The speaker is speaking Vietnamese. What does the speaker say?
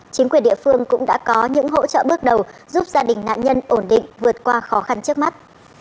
chính quyền địa phương cũng đã có những hỗ trợ bước đầu giúp gia đình nạn nhân ổn định vượt qua khó khăn trước mắt